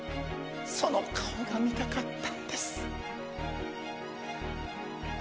その顔が見たかったんです。